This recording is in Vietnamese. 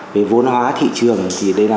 với vốn hóa thị trường thì đây là